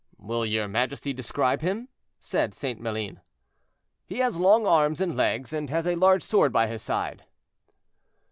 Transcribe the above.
"Will your majesty describe him?" said St. Maline. "He has long arms and legs, and has a large sword by his side."